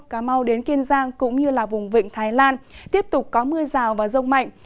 cà mau đến kiên giang cũng như vùng vịnh thái lan tiếp tục có mưa rào và rông mạnh